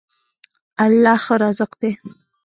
الله ښه رازق دی.